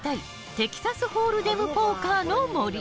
テキサスホールデムポーカーの森。